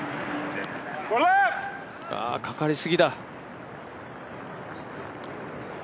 かかりすぎだ。